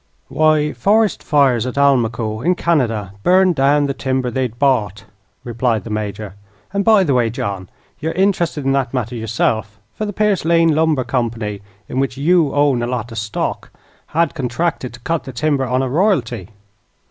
"Why, forest fires at Almaquo, in Canada, burned down the timber they had bought," replied the Major. "And, by the way, John, you're interested in that matter yourself, for the Pierce Lane Lumber Company, in which you own a lot of stock, had contracted to cut the timber on a royalty."